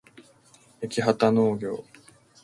やきはたのうぎょう